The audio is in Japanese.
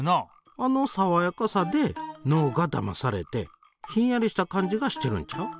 あのさわやかさで脳がだまされてひんやりした感じがしてるんちゃう？